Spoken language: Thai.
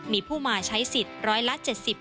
มีผู้มาใช้สิทธิ์ร้อยละ๗๐